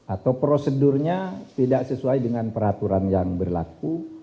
atau prosedurnya tidak sesuai dengan peraturan yang berlaku